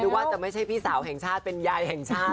ว่าจะไม่ใช่พี่สาวแห่งชาติเป็นยายแห่งชาติ